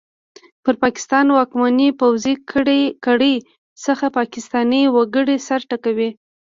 پر پاکستان واکمنې پوځي کړۍ څخه پاکستاني وګړي سر ټکوي!